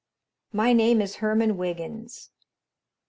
My name is Herman Wiggins."